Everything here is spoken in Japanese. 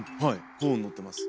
コーンにのってます。